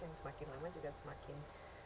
yang semakin lama juga semakin